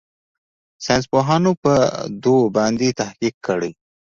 ساينسپوهانو په دو باندې تحقيق کړى.